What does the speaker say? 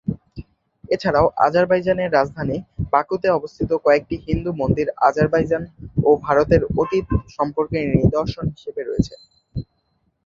এছাড়াও আজারবাইজান এর রাজধানী বাকুতে অবস্থিত কয়েকটি হিন্দু মন্দির আজারবাইজান ও ভারতের অতীত সম্পর্কের নিদর্শন হিসেবে রয়েছে।